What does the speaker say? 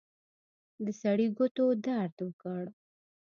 د سړي ګوتو درد وکړ.